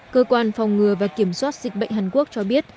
cơ quan phòng ngừa và kiểm soát dịch bệnh hàn quốc cho biết